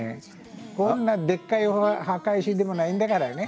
こんなでっかい墓石でもないんだからね。